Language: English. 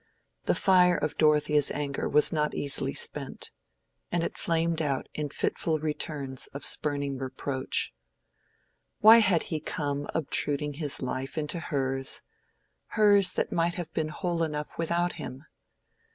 The fire of Dorothea's anger was not easily spent, and it flamed out in fitful returns of spurning reproach. Why had he come obtruding his life into hers, hers that might have been whole enough without him?